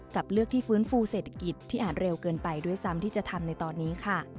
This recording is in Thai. เลือกที่ฟื้นฟูเศรษฐกิจที่อาจเร็วเกินไปด้วยซ้ำที่จะทำในตอนนี้ค่ะ